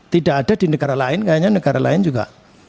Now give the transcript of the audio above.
tidak ada di negara lain kayaknya negara lain juga